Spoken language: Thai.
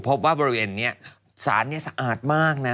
พบว่าบริเวณนี้สารสะอาดมากนะ